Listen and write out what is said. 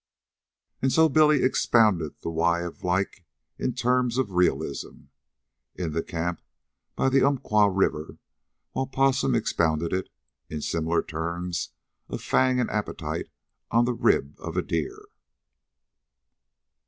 And so Billy expounded the why of like in terms of realism, in the camp by the Umpqua River, while Possum expounded it, in similar terms of fang and appetite, on the rib of deer.